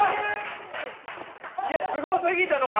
すごすぎたのか。